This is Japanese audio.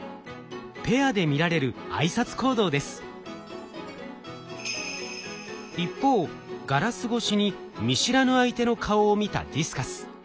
ペアで見られる一方ガラス越しに見知らぬ相手の顔を見たディスカス。